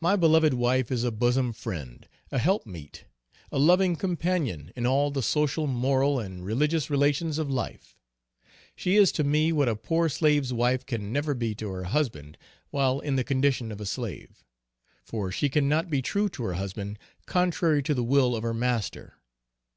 My beloved wife is a bosom friend, a help meet, a loving companion in all the social, moral, and religious relations of life. She is to me what a poor slave's wife can never be to her husband while in the condition of a slave; for she can not be true to her husband contrary to the will of her master.